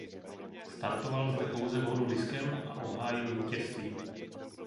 Startoval zde pouze v hodu diskem a obhájil vítězství.